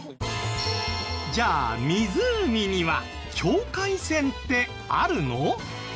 じゃあ湖には境界線ってあるの？